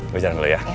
gue jalan dulu ya